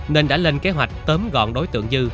nên đã lên kế hoạch tấm gọn đối tượng dư